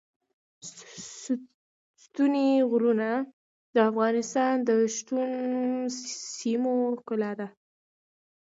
ستوني غرونه د افغانستان د شنو سیمو ښکلا ده.